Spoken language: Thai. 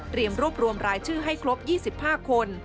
รวบรวมรายชื่อให้ครบ๒๕คน